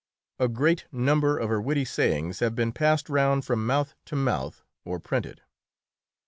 A great number of her witty sayings have been passed round from mouth to mouth or printed.